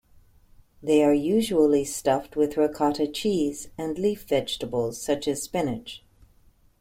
They are usually stuffed with ricotta cheese and leaf vegetables, such as spinach.